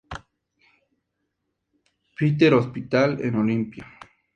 Peter Hospital en Olympia, St.